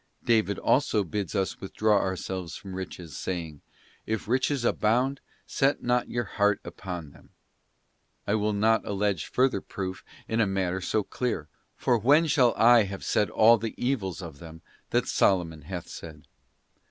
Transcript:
David also bids us withdraw ourselves from riches, saying, ' If riches abound, set not your heart upon them.'§ I will not allege further proof in a matter so clear, for when shall I have said all the evils of them that Solomon hath said?